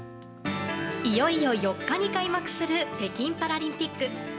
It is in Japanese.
いよいよ４日に開幕する北京パラリンピック。